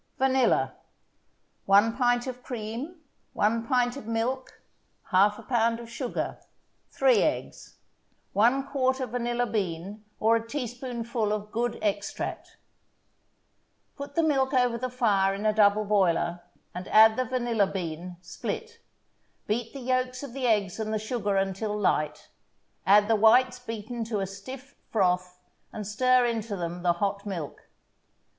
VANILLA 1 pint of cream 1 pint of milk 1/2 pound of sugar 3 eggs 1/4 vanilla bean or a teaspoonful of good extract Put the milk over the fire in a double boiler, and add the vanilla bean, split. Beat the yolks of the eggs and the sugar until light, add the whites beaten to a stiff froth, and stir into them the hot milk.